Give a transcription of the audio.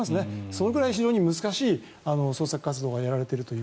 それくらい難しい捜索活動がやられていると。